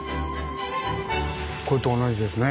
これと同じですね。